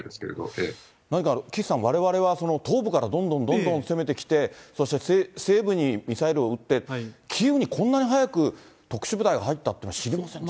岸さん、われわれは東部からどんどんどんどん攻めてきて、そして西部にミサイルを撃って、キーウにこんなに早く特殊部隊が入ったというのは知りませんでした。